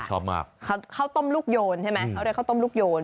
ชอบมากเขาต้มลูกโยนใช่ไหมเขาเลยต้มลูกโยน